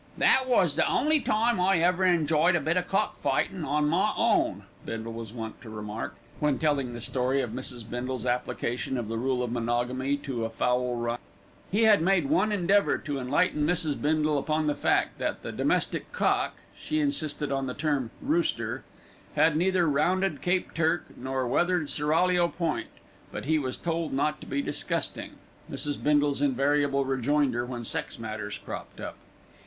"That was the only time I ever enjoyed a bit o' cock fightin' on my own," Bindle was wont to remark, when telling the story of Mrs. Bindle's application of the rule of monogamy to a fowl run. He had made one endeavour to enlighten Mrs. Bindle upon the fact that the domestic cock (she insisted on the term "rooster") had neither rounded Cape Turk, nor weathered Seraglio Point; but he was told not to be disgusting, Mrs. Bindle's invariable rejoinder when sex matters cropped up.